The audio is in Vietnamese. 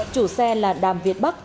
chủ xe là đàm việt bắc